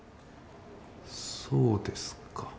そうですか。